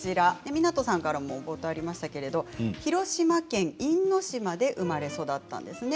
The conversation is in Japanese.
冒頭ありましたけれど広島県・因島で生まれ育ったんですね。